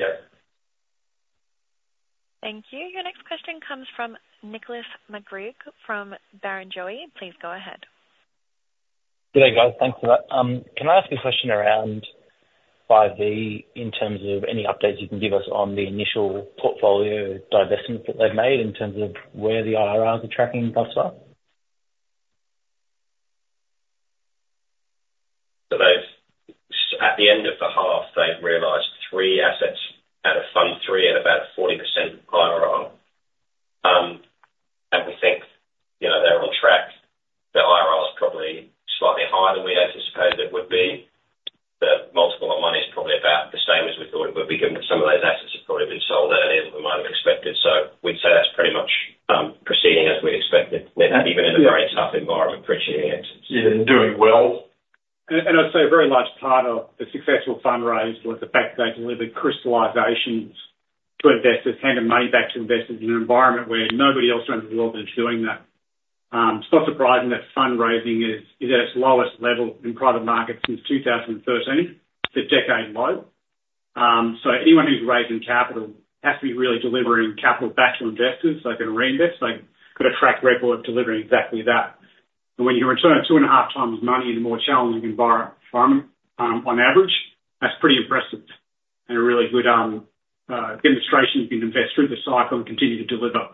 Yeah. Thank you. Your next question comes from Nicholas McGarrigle from Barrenjoey. Please go ahead. Good day, guys. Thanks for that. Can I ask a question around Five V, in terms of any updates you can give us on the initial portfolio divestments that they've made, in terms of where the IRRs are tracking thus far? So at the end of the half, they've realized three assets out of fund three at about 40% IRR. And we think, you know, they're on track. The IRR is probably slightly higher than we anticipated it would be. The multiple of money is probably about the same as we thought it would be, because some of those assets have probably been sold earlier than we might have expected. So we'd say that's pretty much proceeding as we'd expected, even in a very tough environment for exits. Yeah, and doing well. And I'd say a very large part of the successful fundraise was the fact that they delivered crystallizations to investors, handing money back to investors in an environment where nobody else around the world is doing that. It's not surprising that fundraising is at its lowest level in private markets since 2013. It's a decade low.... So anyone who's raising capital has to be really delivering capital back to investors so they can reinvest. They've got a track record of delivering exactly that. And when you can return 2.5x money in a more challenging environment, on average, that's pretty impressive and a really good demonstration you can invest through the cycle and continue to deliver.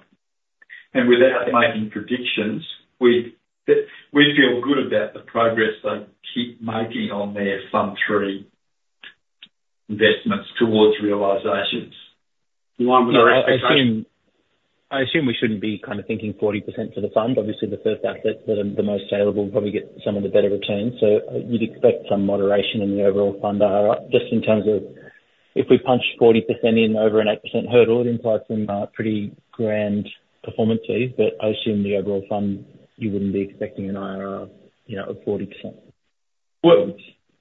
Without making predictions, we feel good about the progress they keep making on their fund 3 investments towards realizations. One with our- I assume, I assume we shouldn't be kind of thinking 40% for the fund. Obviously, the first assets that are the most saleable probably get some of the better returns, so you'd expect some moderation in the overall fund, just in terms of if we punch 40% in over an 8% hurdle, it implies some pretty grand performances. But I assume the overall fund, you wouldn't be expecting an IRR, you know, of 40%. Well,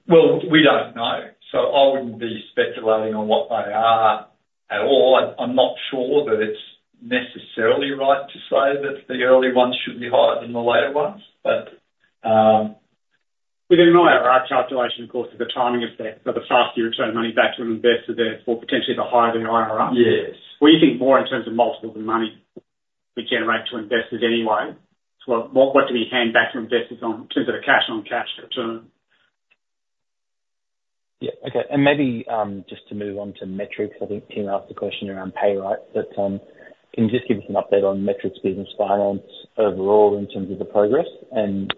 well, we don't know, so I wouldn't be speculating on what they are at all. I'm not sure that it's necessarily right to say that the early ones should be higher than the later ones, but, With an IRR calculation, of course, there's a timing effect, so the faster you return money back to an investor, therefore, potentially the higher the IRR. Yes. We think more in terms of multiples of money we generate to investors anyway, so what, what can we hand back to investors on... in terms of the cash-on-cash return? Yeah. Okay, and maybe just to move on to Metrics. I think Tim asked a question around pay, right? But can you just give us an update on Metrics' business finance overall in terms of the progress? And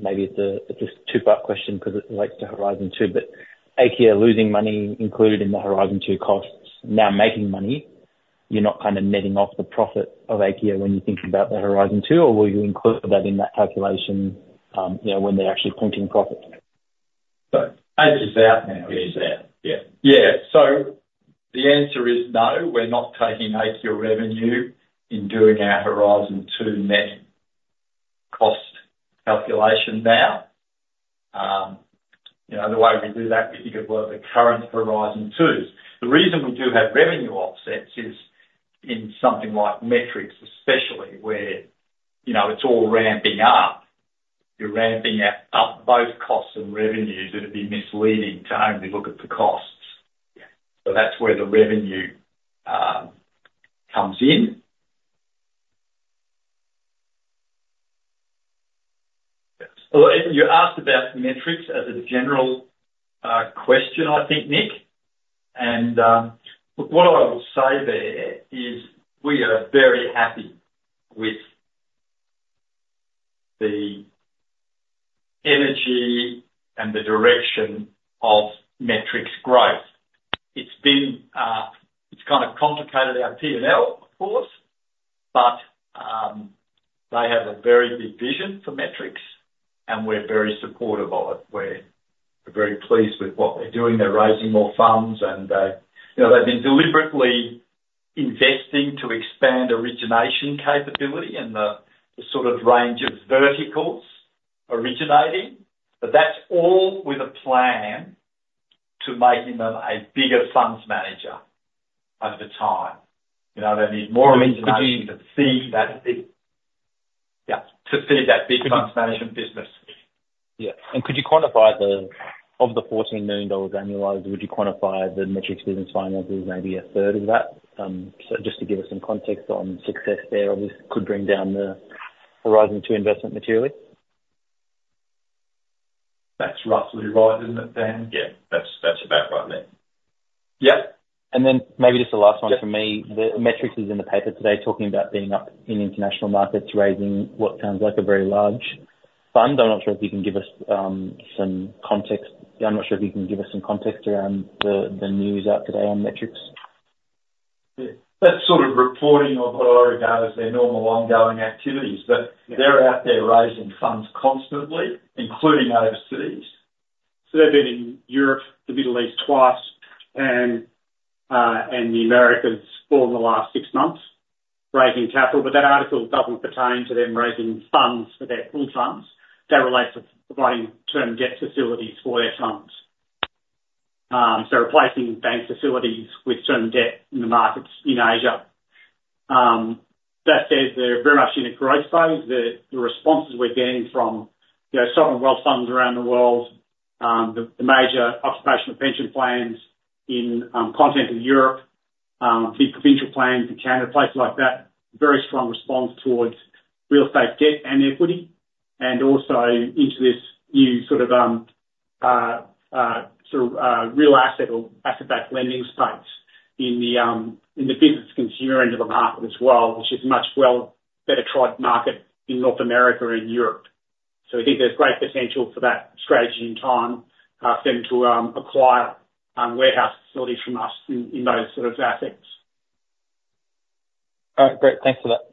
maybe it's just a two-part question because it relates to Horizon Two, but AGL losing money included in the Horizon Two costs, now making money, you're not kind of netting off the profit of AGL when you're thinking about the Horizon Two, or will you include that in that calculation, you know, when they're actually printing profits? AGL is out now, isn't it? Yeah. Yeah. So the answer is no, we're not taking AGL revenue in doing our Horizon Two net cost calculation now. You know, the way we do that, we think of, well, the current Horizon Twos. The reason we do have revenue offsets is in something like Metrics, especially where, you know, it's all ramping up. You're ramping up both costs and revenues. It'd be misleading to only look at the costs. Yeah. So that's where the revenue comes in. Well, you asked about Metrics as a general question, I think, Nick. And, look, what I will say there is we are very happy with the energy and the direction of Metrics growth. It's kind of complicated our P&L, of course, but they have a very big vision for Metrics, and we're very supportive of it. We're very pleased with what they're doing. They're raising more funds, and you know, they've been deliberately investing to expand origination capability and the sort of range of verticals originating, but that's all with a plan to making them a bigger funds manager over time. You know, they need more origination- Could you- to feed that big... Yeah, to feed that big funds management business. Yeah. And could you quantify the of the 14 million dollars annualized? Would you quantify the Metrics business finances, maybe a third of that? So just to give us some context on success there, obviously, could bring down the Horizon Two investment materially. That's roughly right, isn't it, Dan? Yeah, that's, that's about right, Nick. Yeah. And then maybe just the last one for me. Yeah. The Metrics is in the paper today, talking about being up in international markets, raising what sounds like a very large fund. I'm not sure if you can give us some context around the news out today on Metrics. Yeah. That's sort of reporting of what I regard as their normal ongoing activities. But- Yeah... they're out there raising funds constantly, including overseas. So they've been in Europe, the Middle East twice, and the Americas all in the last six months, raising capital. But that article doesn't pertain to them raising funds for their pool funds. That relates to providing term debt facilities for their funds. So replacing bank facilities with term debt in the markets in Asia. That said, they're very much in a growth phase. The responses we're getting from, you know, sovereign wealth funds around the world, the major occupational pension plans in continental Europe, big provincial plans in Canada, places like that, very strong response towards real estate debt and equity, and also into this new sort of real asset or asset-backed lending space in the business consumer end of the market as well, which is much well better-trod market in North America and Europe. So we think there's great potential for that strategy and time for them to acquire warehouse facilities from us in those sort of assets. All right, great. Thanks for that.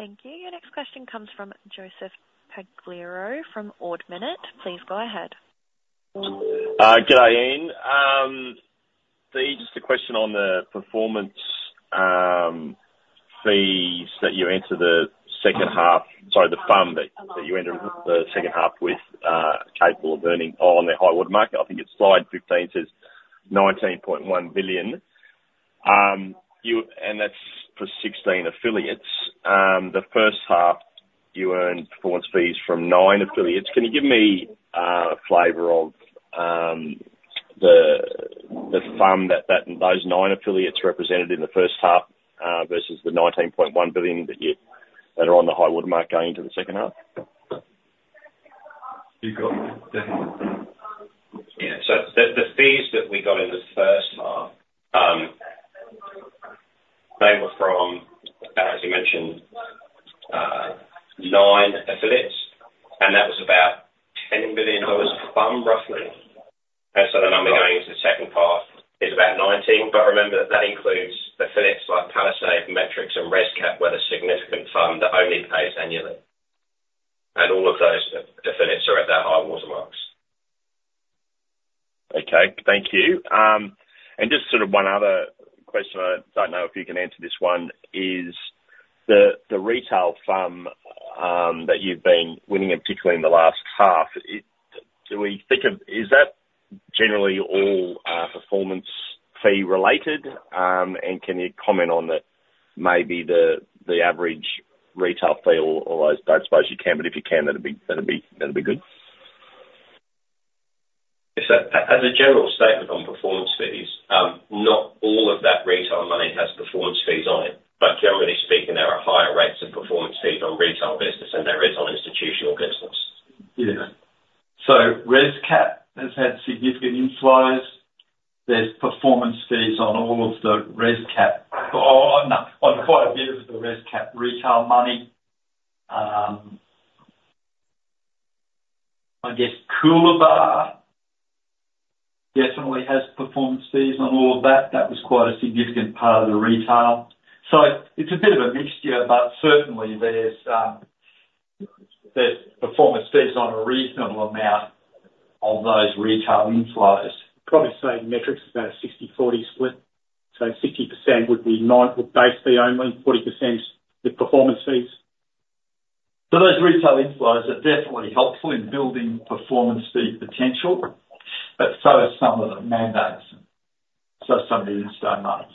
Thank you. Your next question comes from Joseph Pagliaro from Ord Minnett. Please go ahead. Good day, Ian. Just a question on the performance fees that you entered the second half with, sorry, the fund that you entered the second half with capable of earning on their high water mark. I think it's Slide 15, says 19.1 billion. And that's for 16 affiliates. The first half, you earned performance fees from 9 affiliates. Can you give me a flavor of the FUM that those 9 affiliates represented in the first half versus the 19.1 billion that are on the high water mark going into the second half? You got it, definitely. Yeah. So the fees that we got in the first half, they were from, as you mentioned, nine affiliates, and that was about 10 billion dollars FUM, roughly. So the number going into the second half is about 19 affiliates, but remember that includes affiliates like Palisade, Metrics, and ResCap, where the significant FUM that only pays annually, and all of those affiliates are at their high water marks. Okay, thank you. And just sort of one other question, I don't know if you can answer this one, is the retail FUM that you've been winning, and particularly in the last half, do we think of... Is that generally all performance fee related? And can you comment on the maybe the average retail fee or those? I don't suppose you can, but if you can, that'd be, that'd be, that'd be good. Yes. As a general statement on performance fees, not all of that retail money has performance fees on it, but generally speaking, there are higher rates of performance fees on retail business than there is on institutional business. Yeah. So ResCap has had significant inflows. There's performance fees on all of the ResCap, or on quite a bit of the ResCap retail money. I guess Coolabah definitely has performance fees on all of that. That was quite a significant part of the retail. So it's a bit of a mixture, but certainly there's performance fees on a reasonable amount of those retail inflows. Probably say Metrics is about a 60/40 split, so 60% would be 9, with base fee only, 40% with performance fees. So those retail inflows are definitely helpful in building performance fee potential, but so are some of the mandates, so some of the insto mandates.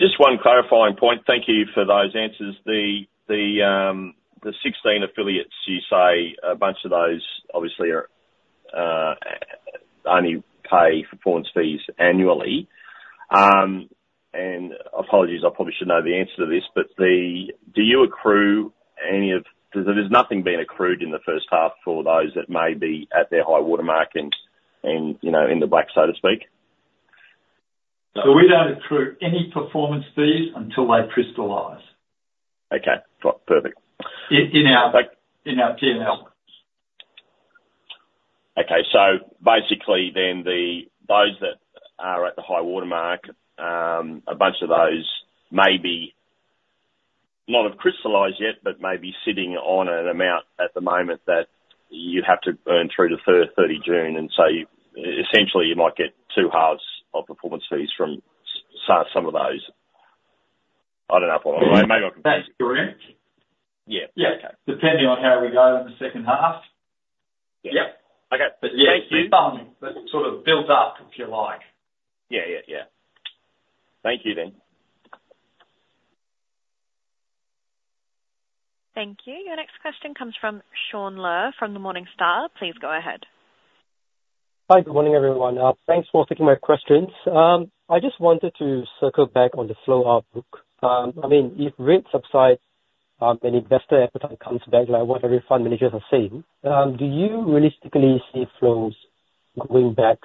Just one clarifying point, thank you for those answers. The 16 affiliates, you say a bunch of those obviously are only pay performance fees annually. And apologies, I probably should know the answer to this, but... Do you accrue any of- there's nothing being accrued in the first half for those that may be at their high water mark and, you know, in the black, so to speak? We don't accrue any performance fees until they crystallize. Okay, perfect. In our PNL. Okay. So basically then the, those that are at the High Water Mark, a bunch of those may not have crystallized yet, but may be sitting on an amount at the moment that you'd have to earn through to thirty June, and so essentially you might get two halves of performance fees from some of those. I don't know if... That's correct. Yeah. Yeah. Okay. Depending on how we go in the second half. Yeah. Yep. Okay. Thank you. But yeah, some that sort of build up, if you like. Yeah, yeah, yeah. Thank you then. Thank you. Your next question comes from Shaun Ler, from Morningstar. Please go ahead. Hi, good morning, everyone. Thanks for taking my questions. I just wanted to circle back on the flow outlook. I mean, if rates subside, and investor appetite comes back, like what every fund managers are saying, do you realistically see flows going back,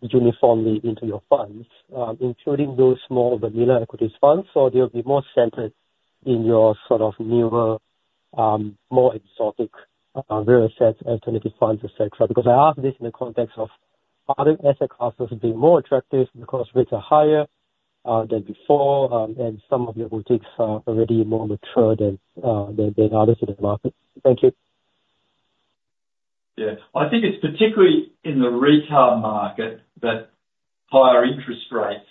uniformly into your funds, including those small vanilla equities funds, or they'll be more centered in your sort of newer, more exotic, real assets, alternative funds, et cetera? Because I ask this in the context of other asset classes being more attractive because rates are higher, than before, and some of your boutiques are already more mature than others in the market. Thank you. Yeah. I think it's particularly in the retail market that higher interest rates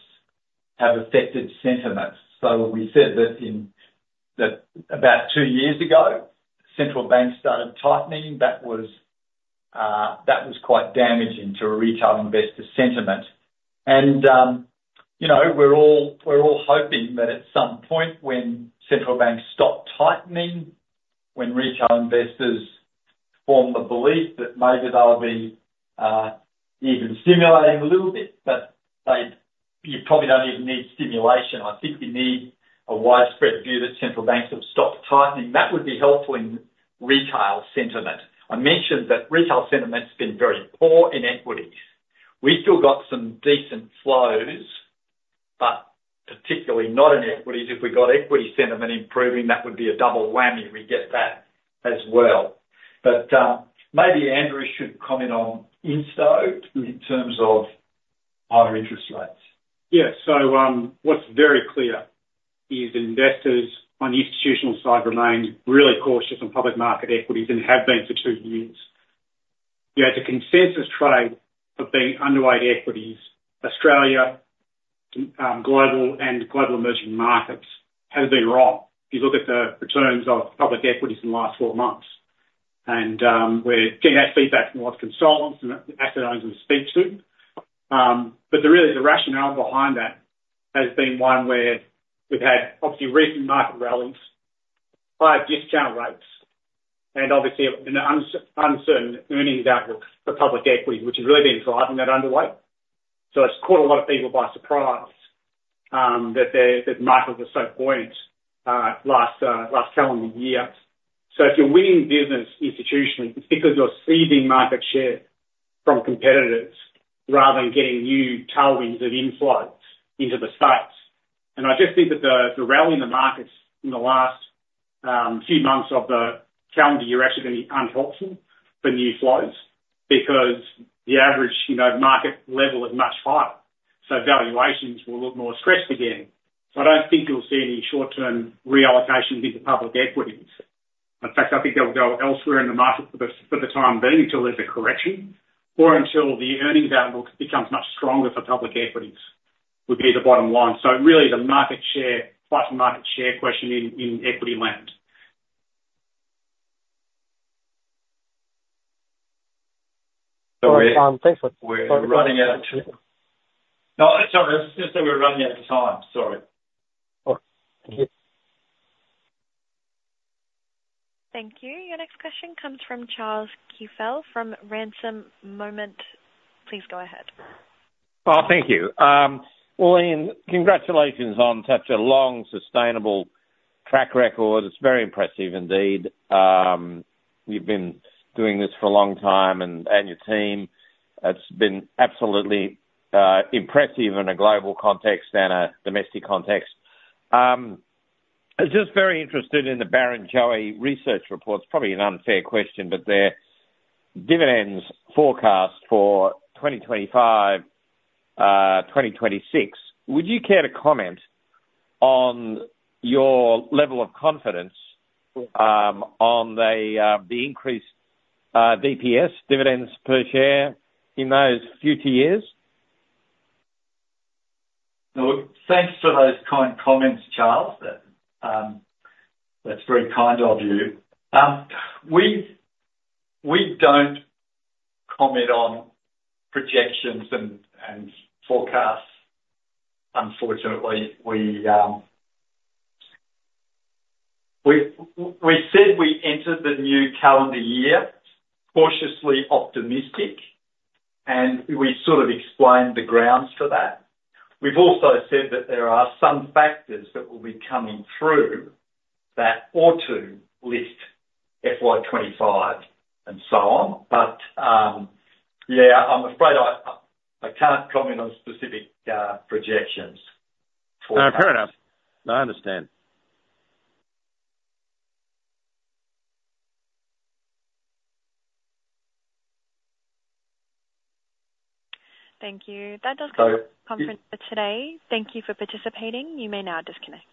have affected sentiment. So we said that in, that about two years ago, central banks started tightening. That was, that was quite damaging to a retail investor sentiment. And, you know, we're all, we're all hoping that at some point when central banks stop tightening, when retail investors form the belief that maybe they'll be, even stimulating a little bit, but they... You probably don't even need stimulation. I think you need a widespread view that central banks have stopped tightening. That would be helpful in retail sentiment. I mentioned that retail sentiment's been very poor in equities. We've still got some decent flows, but particularly not in equities. If we got equity sentiment improving, that would be a double whammy if we get that as well. Maybe Andrew should comment on institutional in terms of higher interest rates. Yeah. So, what's very clear is investors on the institutional side remain really cautious on public market equities and have been for two years. Yet the consensus trade of being underweight equities, Australia, global and global emerging markets, has been wrong. If you look at the returns of public equities in the last four months.... And we're getting that feedback from our consultants and asset owners we speak to. But really, the rationale behind that has been one where we've had obviously recent market rallies, higher discount rates, and obviously an uncertain earnings outlook for public equity, which has really been driving that underweight. So it's caught a lot of people by surprise that the markets were so buoyant last calendar year. So if you're winning business institution, it's because you're seizing market share from competitors rather than getting new tailwinds of inflows into the space. And I just think that the rally in the markets in the last few months of the calendar year are actually gonna be unhelpful for new flows because the average, you know, market level is much higher, so valuations will look more stressed again. So I don't think you'll see any short-term reallocations into public equities. In fact, I think they'll go elsewhere in the market for the time being until there's a correction or until the earnings outlook becomes much stronger for public equities, would be the bottom line. So really the market share, fighting market share question in equity land. All right, thanks. We're running out of... No, sorry, I was just gonna say we're running out of time. Sorry. Okay. Thank you. Thank you. Your next question comes from Charles Kiefel from Ransom Moment. Please go ahead. Oh, thank you. Well, Ian, congratulations on such a long, sustainable track record. It's very impressive indeed. You've been doing this for a long time, and, and your team, it's been absolutely impressive in a global context and a domestic context. I was just very interested in the Barrenjoey research reports. Probably an unfair question, but their dividends forecast for 2025, 2026, would you care to comment on your level of confidence on the increased DPS, dividends per share, in those future years? Well, thanks for those kind comments, Charles. That's very kind of you. We don't comment on projections and forecasts, unfortunately. We said we entered the new calendar year cautiously optimistic, and we sort of explained the grounds for that. We've also said that there are some factors that will be coming through that ought to lift FY 25 and so on. But, yeah, I'm afraid I can't comment on specific projections for that. No, fair enough. I understand. Thank you. That does conclude- Bye. The conference for today. Thank you for participating. You may now disconnect.